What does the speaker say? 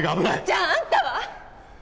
じゃああんたは！？